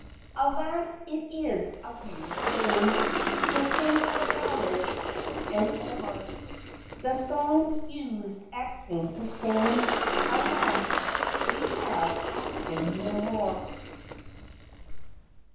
Alas, it is a weary thing To sing our ballads o'er and o'er — The song we used at home to sing — Alas, we have a home no more.